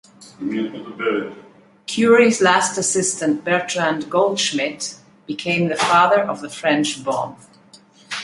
Curie's last assistant Bertrand Goldschmidt became the father of the French Bomb.